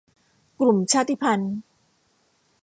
กลุ่มชาติพันธุ์